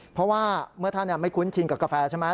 เพราะว่าเมื่อท่านไม่คุ้นชินกับกาแฟใช่ไหม